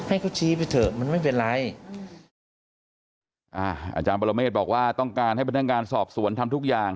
อาจารย์ประโลเมฆบอกว่าต้องการให้พนักงานสอบสวนทำทุกอย่าง